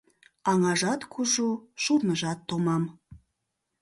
Аҥажат кужу, шурныжат томам